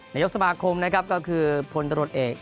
นโยคสมาคมก็คือพลตรวจเอก